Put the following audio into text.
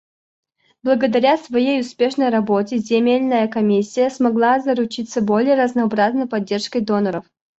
Благодаря своей успешной работе Земельная комиссия смогла заручиться более разнообразной поддержкой доноров.